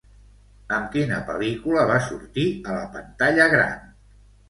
Amb quina pel·lícula va sortir a la pantalla gran?